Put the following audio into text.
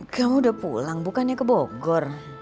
kamu udah pulang bukannya ke bogor